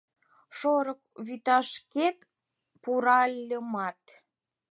Шорык вӱташкет пуральымат